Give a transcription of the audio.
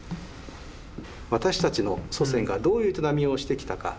私たちの祖先がどういう営みをしてきたか？